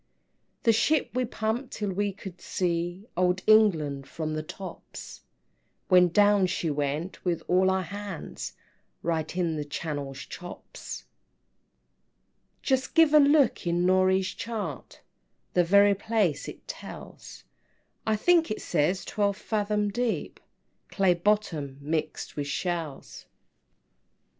"The ship we pumped till we could see Old England from the tops; When down she went with all our hands, Right in the Channel's Chops." VII. "Just give a look in Norey's chart, The very place it tells; I think it says twelve fathom deep, Clay bottom, mixed with shells."